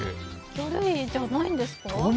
魚類なんじゃないですか？